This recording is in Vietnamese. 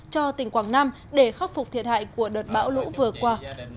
cho tỉnh quảng nam để khắc phục thiệt hại của đợt bão lũ vừa qua